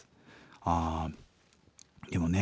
あでもね